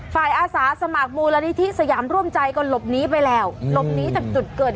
ฝ่ายอาสาสมัครบูรณิธิสยามร่วมใจก็หลบนี้ล้วนี้เลย